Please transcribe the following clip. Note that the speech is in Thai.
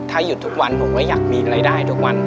ถ้าหยุดทุกวันผมก็อยากมีรายได้ทุกวัน